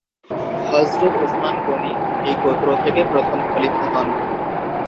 হযরত উসমান গণি এই গোত্র থেকে প্রথম খলিফা হন।